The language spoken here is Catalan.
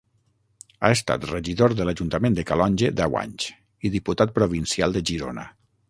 Ha estat regidor de l'ajuntament de Calonge deu anys i Diputat Provincial de Girona.